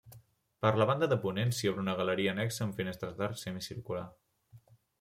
Per la banda de ponent s'hi obre una galeria annexa amb finestres d'arc semicircular.